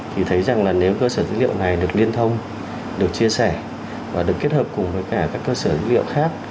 thì thấy rằng là nếu cơ sở dữ liệu này được liên thông được chia sẻ và được kết hợp cùng với cả các cơ sở dữ liệu khác